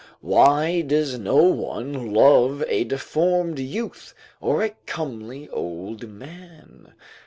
why does no one love a deformed youth or a comely old man?"